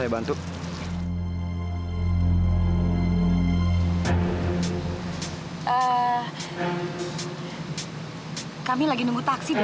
ga kami ngerasain